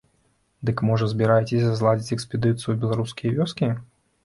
Дык можа збіраецеся зладзіць экспедыцыю ў беларускія вёскі?